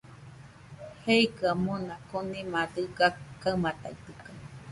Jeikɨaɨ mona, konima dɨga kaɨmaitaitɨkaɨ